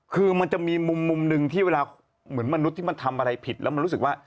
คือมันจะมีมุมหนึ่งที่เวลาเหมือนมนุษย์ที่มันทำอะไรผิดแล้วมันรู้สึกว่า